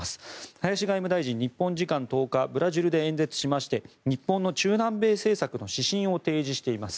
林外務大臣、日本時間１０日ブラジルで演説しまして日本の中南米政策の指針を提示しています。